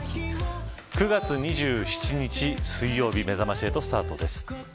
９月２７日水曜日めざまし８スタートです。